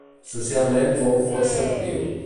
Socialment fou força actiu.